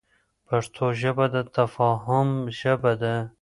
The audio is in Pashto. پښتو ژبه د تفاهم ژبه ده.